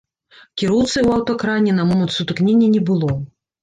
Кіроўцы ў аўтакране на момант сутыкнення не было.